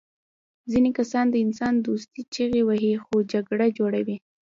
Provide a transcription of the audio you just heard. ځینې کسان د انسان دوستۍ چیغې وهي خو جګړه جوړوي